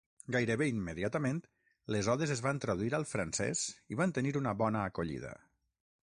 Gairebé immediatament, les odes es van traduir al francès i van tenir una bona acollida.